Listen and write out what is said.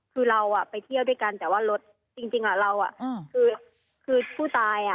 คือเราไปเที่ยวด้วยกันแต่ว่ารถจริงเราคือผู้ตายอ่ะ